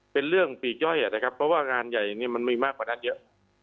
เป็นเรื่องปีกย่อยนะครับเพราะว่างานใหญ่เนี่ยมันมีมากกว่านั้นเยอะ